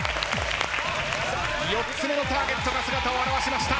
４つ目のターゲットが姿を現しました。